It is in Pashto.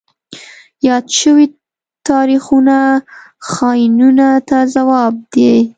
یاد شوي تاریخونه خاینینو ته ځواب دی.